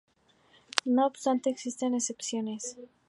No obstante existen excepciones.